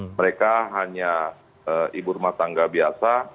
mereka hanya ibu rumah tangga biasa